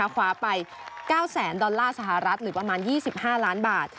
คว้าไป๙แสนดอลลาร์สหรัฐหรือประมาณ๒๕ล้านบาท